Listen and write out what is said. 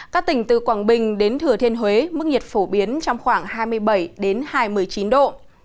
các tỉnh từ quảng bình đến thừa thiên huế mức nhiệt phổ biến trong khoảng hai mươi bảy hai mươi chín độ